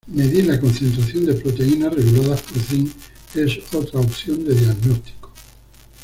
Medir la concentración de proteínas reguladas por zinc, es otra opción de diagnóstico.